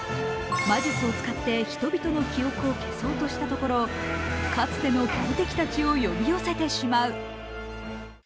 魔術を使って人々の記憶を消そうとしたところかつての強敵たちを呼び寄せてしまう。